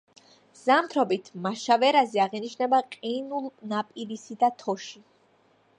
ზამთრობით მაშავერაზე აღინიშნება ყინულნაპირისი და თოში.